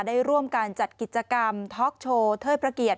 ได้ร่วมกันจัดกิจกรรมท็อคโชว์เทอร์ประเกียจ